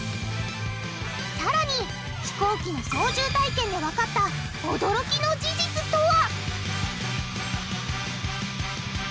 さらに飛行機の操縦体験でわかった驚きの事実とは？